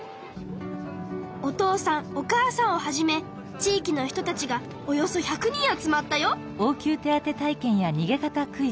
お父さんお母さんをはじめ地いきの人たちがおよそ１００人集まったよ。